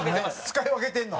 使い分けてるの？